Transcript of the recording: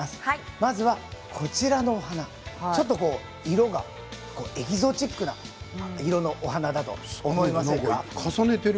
まずはこちらの花、ちょっと色がエキゾチックな色の重ねているみたい。